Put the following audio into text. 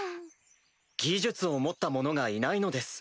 技術を持った者がいないのです。